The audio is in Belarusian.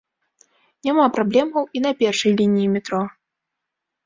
Няма праблемаў і на першай лініі метро.